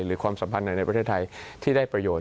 ความสัมพันธ์ไหนในประเทศไทยที่ได้ประโยชน